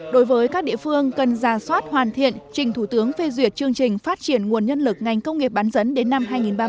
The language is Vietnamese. đối với các địa phương cần ra soát hoàn thiện trình thủ tướng phê duyệt chương trình phát triển nguồn nhân lực ngành công nghiệp bán dẫn đến năm hai nghìn ba mươi